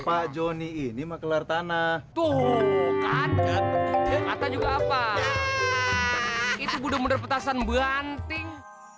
pak joni ini mah kelar tanah tuh kan kata juga apa itu budo muda petasan banting